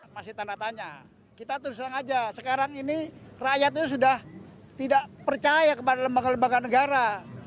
masih tanda tanya kita terus langsung saja sekarang ini rakyatnya sudah tidak percaya kepada lembaga lembaga negara